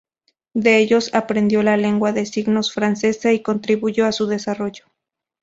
De ellos aprendió la lengua de signos francesa y contribuyó a su desarrollo.